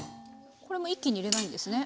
これも一気に入れないんですね。